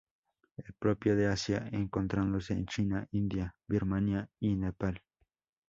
Es propio de Asia, encontrándose en China, India, Birmania y Nepal.